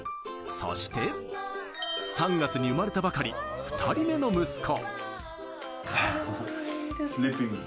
そして３月に生まれたばかり、２人目の息子。